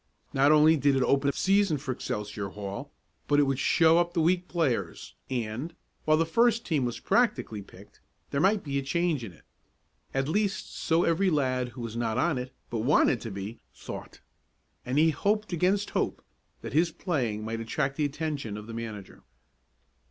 Not only did it open the season for Excelsior Hall, but it would show up the weak players, and, while the first team was practically picked, there might be a change in it. At least so every lad who was not on it, but wanted to be, thought, and he hoped against hope that his playing might attract the attention of the manager.